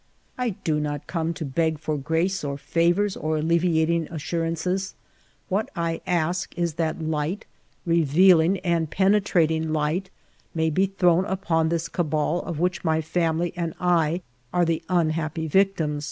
" I do not come to beg for grace, or favors, or alleviating assurances ; what I ask is that light, re vealing and penetrating light, may be thrown upon this cabal of which my family and I are the un happy victims.